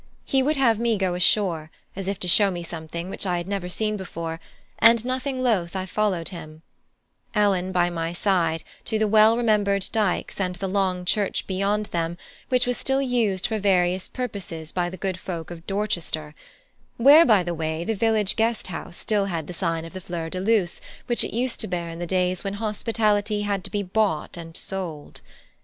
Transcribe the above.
He would have me go ashore, as if to show me something which I had never seen before; and nothing loth I followed him, Ellen by my side, to the well remembered Dykes, and the long church beyond them, which was still used for various purposes by the good folk of Dorchester: where, by the way, the village guest house still had the sign of the Fleur de luce which it used to bear in the days when hospitality had to be bought and sold.